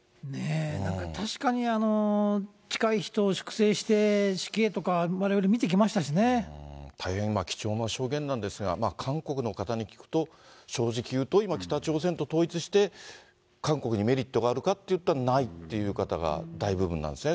なんか確かに近い人を粛清してしけいとか、われわれ見てきま大変貴重な証言なんですが、韓国の方に聞くと正直言うと、今北朝鮮と統一して韓国にメリットがあるかといったらないっていう方が大部分なんですね。